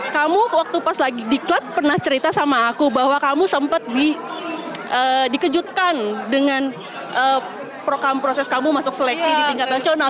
kamu waktu pas lagi di klub pernah cerita sama aku bahwa kamu sempat dikejutkan dengan program proses kamu masuk seleksi di tingkat nasional